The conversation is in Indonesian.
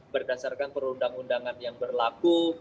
berdasarkan perundang undangan yang berlaku